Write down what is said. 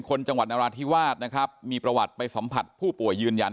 จังหวัดนราธิวาสนะครับมีประวัติไปสัมผัสผู้ป่วยยืนยัน